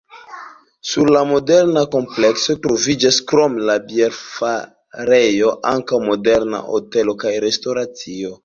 Sur la moderna komplekso troviĝas krom la bierfarejo ankaŭ moderna hotelo kaj restoracio.